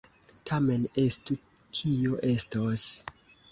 Tamen estu, kio estos!